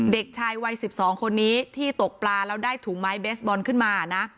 เด็กชายวัย๑๒คนนี้ที่ตกปลาแล้วได้ถุงไม้เบสบอลขึ้นมานะ